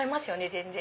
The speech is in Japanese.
全然。